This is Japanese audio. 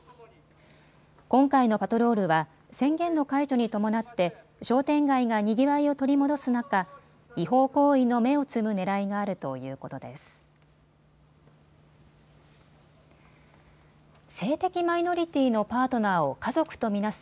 今回のパトロールは宣言の解除に伴って商店街がにぎわいを取り戻す中、違法行為の芽を摘むねらいがあるということです。